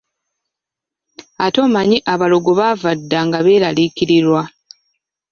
Ate omanyi abalogo baava dda nga beeraliikirirwa.